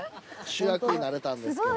主役になれたんですけど。